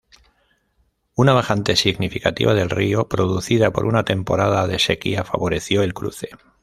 Una bajante significativa del río producida por una temporada de sequía favoreció el cruce.